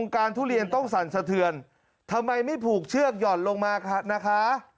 การทุเรียนต้องสั่นสะเทือนทำไมไม่ผูกเชือกหย่อนลงมานะคะ